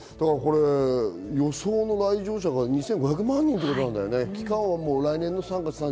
予想来場者が２５００万人ということなんだよね。